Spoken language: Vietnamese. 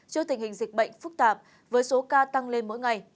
trước tình hình dịch bệnh phức tạp với số ca tăng lên mỗi ngày